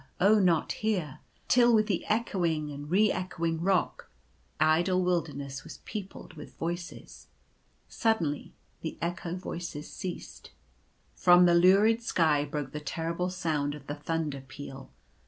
oh not here," till with the echoing and re echoing rock, the idle wilderness was peopled with voices. Suddenly the echo voices ceased. From the lurid sky broke the terrible sound of the thunder peal.